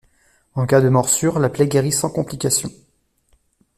En cas de morsure la plaie guérit sans complications.